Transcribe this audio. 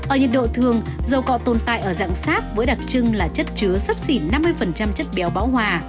ở nhiệt độ thường dầu cọ tồn tại ở dạng sáp với đặc trưng là chất chứa sắp xỉn năm mươi chất béo bão hòa